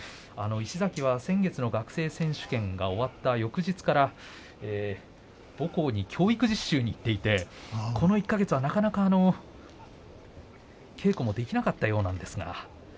石崎は先月の学生選手権が終わって、翌日から母校に教育実習に行っていてこの１か月はなかなか稽古もできなかったようなんですが。